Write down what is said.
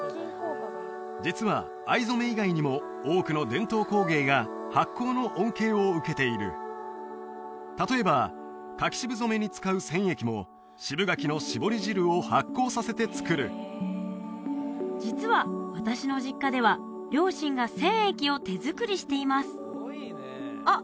実は藍染め以外にも多くの伝統工芸が発酵の恩恵を受けている例えば柿渋染めに使う染液も渋柿のしぼり汁を発酵させて作る実は私の実家では両親が染液を手作りしていますあっ